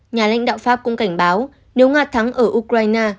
nhà lãnh đạo pháp cũng cảnh báo nếu nga thắng ở ukraine